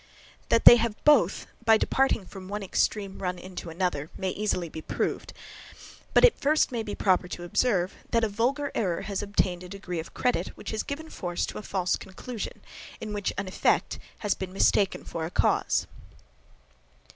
That they have both by departing from one extreme run into another, may easily be proved; but it first may be proper to observe, that a vulgar error has obtained a degree of credit, which has given force to a false conclusion, in which an effect has been mistaken for a cause.